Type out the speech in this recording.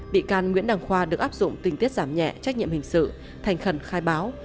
bị can nguyễn đăng khoa được áp dụng tình tiết giảm nhẹ trách nhiệm hình sự thành khẩn khai báo